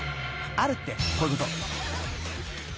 あるってこういうこと］